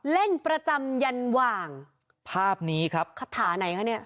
เล่นประจำยันหว่างภาพนี้ครับคาถาไหนคะเนี่ย